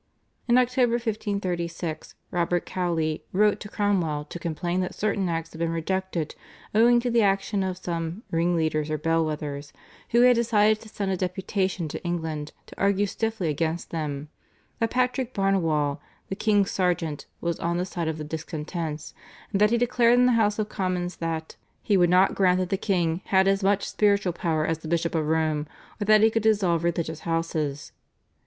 In October 1536, Robert Cowley wrote to Cromwell to complain that certain acts had been rejected owing to the action of some "ringleaders or bellwethers," who had decided to send a deputation to England to argue stiffly against them, that Patrick Barnewall, the king's sergeant was on the side of the discontents, and that he declared in the House of Commons that "he would not grant that the king had as much spiritual power as the Bishop of Rome, or that he could dissolve religious houses."